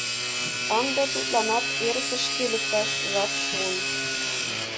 Ынде тудланат эрыкышке лекташ жап шуын.